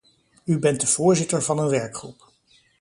U bent de voorzitter van een werkgroep.